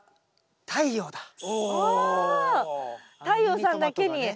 太陽さんだけに。